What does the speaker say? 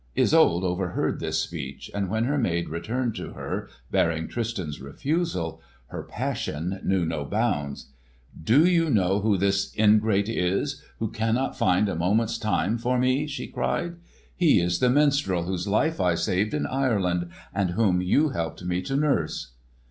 Isolde overheard this speech, and when her maid returned to her, bearing Tristan's refusal, her passion knew no bounds. "Do you know who this ingrate is, who cannot find a moment's time for me?" she cried. "He is the minstrel whose life I saved in Ireland, and whom you helped me to nurse!"